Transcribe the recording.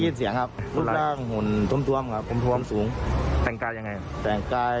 ยินเสียงครับลูกด้านหุ่นทุ่มทวมครับทุ่มทวมสูงแต่งกายยังไงแต่งกาย